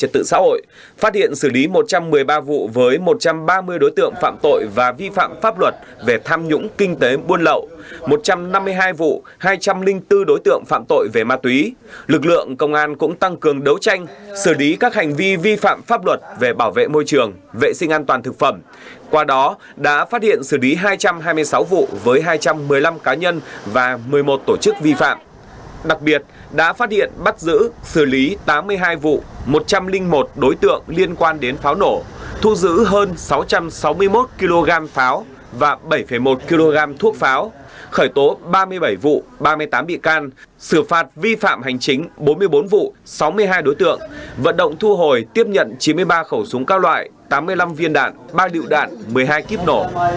tiếp nhận chín mươi ba khẩu súng cao loại tám mươi năm viên đạn ba lựu đạn một mươi hai kiếp nổ